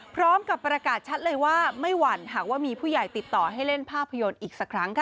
พร้อมกับประกาศชัดเลยว่าไม่หวั่นหากว่ามีผู้ใหญ่ติดต่อให้เล่นภาพยนตร์อีกสักครั้งค่ะ